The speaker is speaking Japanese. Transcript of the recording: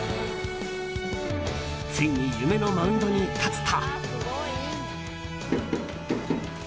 ついに夢のマウンドに立つと。